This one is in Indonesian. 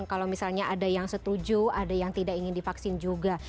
kalau misalnya ada yang setuju ada yang tidak ingin divaksin juga